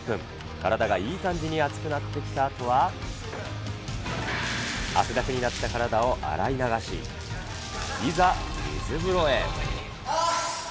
体がいい感じに熱くなってきたあとは、汗だくになった体を洗い流し、いざ、水風呂へ。